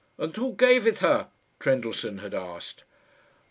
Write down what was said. "And who gave it her?" Trendellsohn had asked.